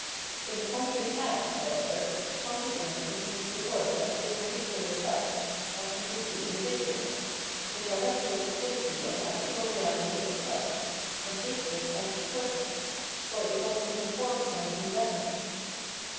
In the concrete act, however, consciousness proceeds to work as this particular self, as completely individual : it directs its activity on actual reality as such, and takes this as its purpose, for it wants to perform something definite.